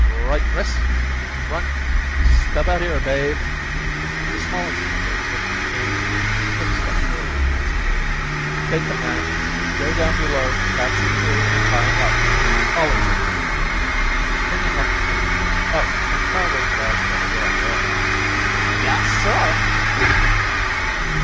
"Right DRISS! Front! Step out here, Babe!" The smallest Negro took a quick step forward and saluted. "Take command, go down below, catch the crew and tie 'em up all except the engineer. Bring him up to me. Oh, and pile those bags by the rail there." "Yas suh!"